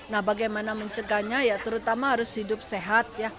nah bagaimana mencegahnya ya terutama harus hidup sehat ya